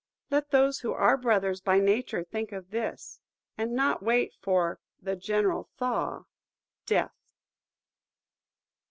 Let those who are brothers by nature think of this, and not wait for The General Thaw–Death.